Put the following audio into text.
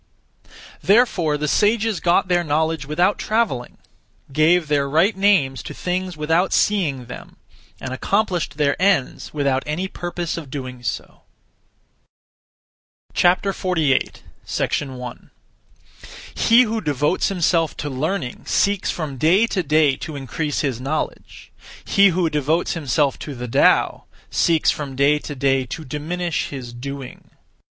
Therefore the sages got their knowledge without travelling; gave their (right) names to things without seeing them; and accomplished their ends without any purpose of doing so. 48. 1. He who devotes himself to learning (seeks) from day to day to increase (his knowledge); he who devotes himself to the Tao (seeks) from day to day to diminish (his doing).